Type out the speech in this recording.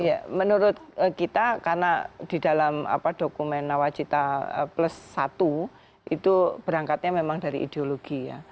ya menurut kita karena di dalam dokumen nawacita plus satu itu berangkatnya memang dari ideologi ya